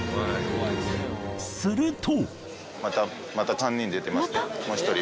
すると。